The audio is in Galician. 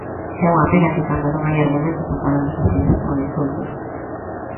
É unha pena que, cando non hai argumentos, acabemos así, con insultos.